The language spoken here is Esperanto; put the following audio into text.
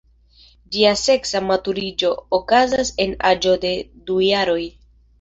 Ĝia seksa maturiĝo okazas en aĝo de du jaroj.